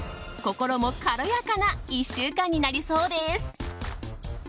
心も軽やかな１週間になりそうです。